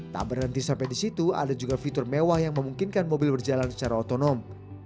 tak berhenti sampai di situ ada juga fitur mewah yang memungkinkan mobil berjalan secara otonom